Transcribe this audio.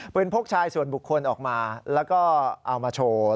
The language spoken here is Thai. พกชายส่วนบุคคลออกมาแล้วก็เอามาโชว์